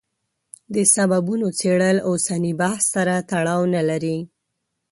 د سببونو څېړل اوسني بحث سره تړاو نه لري.